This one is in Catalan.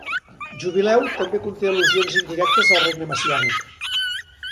"Jubileu" també conté al·lusions indirectes al regne messiànic.